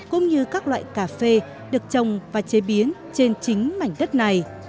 cũng như các loại cà phê được trồng và chế biến trên chính mảnh đất này